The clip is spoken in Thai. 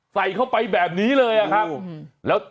ใส่เข้าไปแบบนี้เลยอะครับ